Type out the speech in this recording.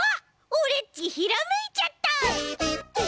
オレっちひらめいちゃった！え！？